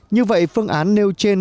như vậy phương án nêu trên